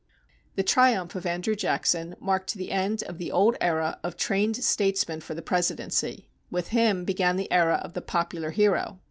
The triumph of Andrew Jackson marked the end of the old era of trained statesmen for the Presidency. With him began the era of the popular hero.